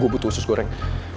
gue butuh usus goreng